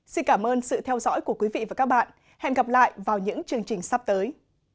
xin cảm ơn sự theo dõi của quý vị và các bạn hẹn gặp lại vào những chương trình sắp tới